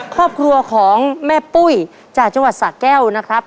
ครอบครัวของแม่ปุ้ยจากจังหวัดสะแก้วนะครับ